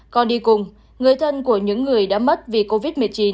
còn đi cùng người thân của những người đã mất vì covid một mươi chín